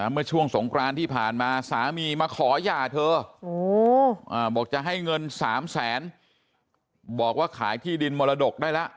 เมื่อช่วงสงกรานที่ผ่านมาสามีมาขอหย่าเธอบอกจะให้เงิน๓แสนบอกว่าขายที่ดินมรดกได้แล้ว